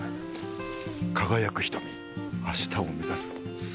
「輝く瞳明日をめざす澄